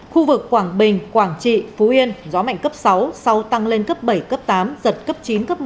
khu vực quảng bình quảng trị phú yên gió mạnh cấp sáu sau tăng lên cấp bảy tám giật cấp chín một mươi